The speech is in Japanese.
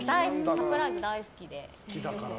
サプライズが大好きで。